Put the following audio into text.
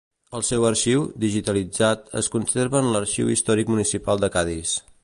El seu arxiu, digitalitzat, es conserva en l'Arxiu Històric Municipal de Cadis.